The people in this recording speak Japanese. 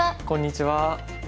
こんにちは。